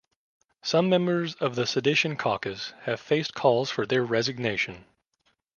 Some members of the Sedition Caucus have faced calls for their resignation.